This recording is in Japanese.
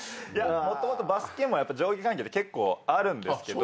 もともとバスケも上下関係って結構あるんですけど。